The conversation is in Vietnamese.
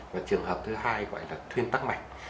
và trường hợp thứ hai gọi là thuyên tắc mạch